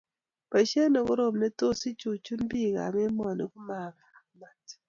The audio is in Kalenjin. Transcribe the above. Boishet nekoroom netos ichunchun bik ab emoni ko mavhamat